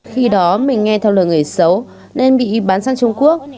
khi đó mình nghe theo lời người xấu nên bị bán sang trung quốc